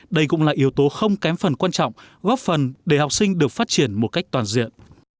đây cũng là yếu tố không kém phần quan trọng góp phần để học sinh được phát triển một cách toàn diện